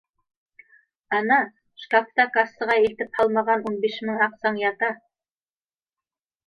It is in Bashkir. — Ана, шкафта кассаға илтеп һалмаған ун биш мең аҡсаң ята